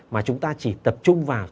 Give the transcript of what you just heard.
mà chúng ta chỉ tập trung vào